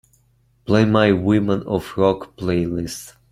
Play my Women of Rock playlist.